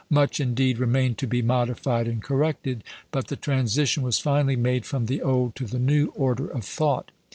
Much, indeed, remained to be modified and corrected; but the transition was finally made from the old to the new order of thought.